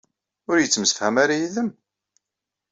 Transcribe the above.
Ur yettemsefham ara yid-m?